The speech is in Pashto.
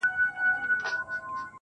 o بيا کرار ،کرار د بت و خواته گوري.